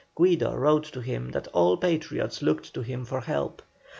Guido wrote to him that all Patriots looked to him for help.